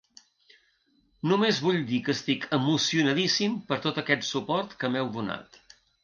Només vull dir que estic emocionadíssim per tot aquest suport que m’heu donat.